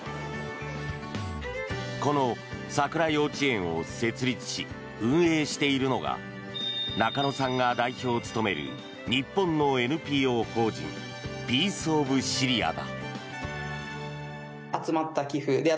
このＳＡＫＵＲＡ幼稚園を設立し運営しているのが中野さんが代表を務める日本のＮＰＯ法人ピース・オブ・シリアだ。